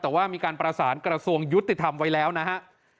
แต่ว่ามีการประสานกระทรวงยุติธรรมไว้แล้วนะฮะ